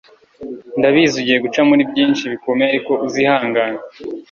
ndabizi ugiye guca muri byinshi bikomeye ariko uzihangane